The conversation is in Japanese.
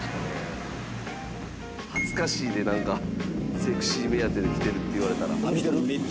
恥ずかしいね何か「セクシー目当てで来てる」って言われたら。